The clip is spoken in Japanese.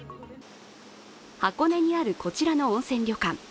箱根にある、こちらの温泉旅館。